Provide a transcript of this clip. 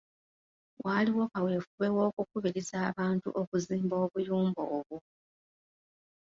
Waaliwo kaweefube w‘okukubiriza abantu okuzimba obuyumba obwo